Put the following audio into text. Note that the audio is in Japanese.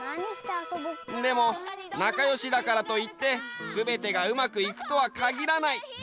でもなかよしだからといってすべてがうまくいくとはかぎらない。